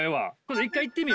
一回行ってみよ。